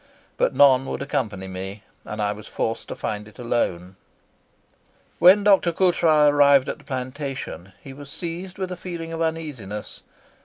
But none would accompany me, and I was forced to find it alone." When Dr. Coutras arrived at the plantation he was seized with a feeling of uneasiness.